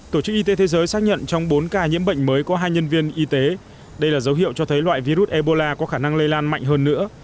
tổ chức y tế thế giới xác nhận trong bốn ca nhiễm bệnh mới có hai nhân viên y tế đây là dấu hiệu cho thấy loại virus ebola có khả năng lây lan mạnh hơn nữa